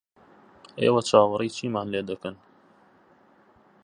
ئێوە چاوەڕێی چیمان لێ دەکەن؟